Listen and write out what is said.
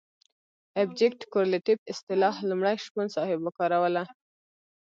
ابجګټف کورلیټف اصطلاح لومړی شپون صاحب وکاروله.